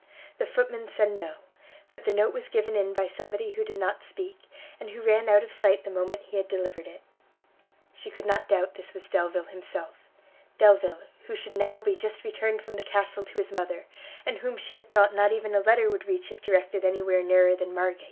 The footman said no; that the note was given in by somebody who did not speak, and who ran out of sight the moment he had delivered it. She could not doubt this was Delvile himself, Delvile who should now be just returned from the castle to his mother, and whom she had thought not even a letter would reach if directed any where nearer than Margate!